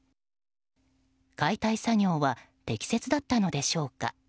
解体作業は適切だったのでしょうか。